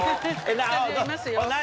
何？